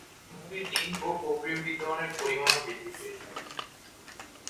একইভাবে ঋণ ও অগ্রিম বিতরণের পরিমাণও বৃদ্ধি পেয়েছে।